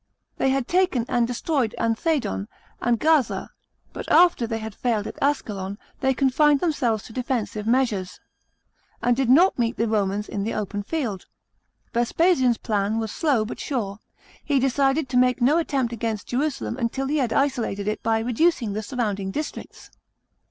They had taken and destroyed Anthedon and Gaza, but after they had failed at Ascalon, they confined them selves to defensive measures, and did not meet the Romans in the open field. Vespasian's plan was slow, but sure. He decided to make no attempt against Jerusalem until he had isolated it by reducing the surrounding districts.